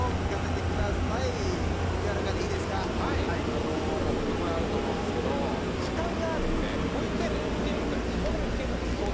あのもう本当これはあると思うんですけど時間があるんで保育園の送り迎え基本行けるんですよ。